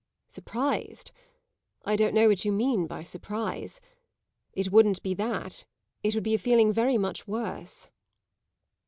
"Surprised? I don't know what you mean by surprise. It wouldn't be that; it would be a feeling very much worse."